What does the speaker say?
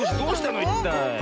いったい。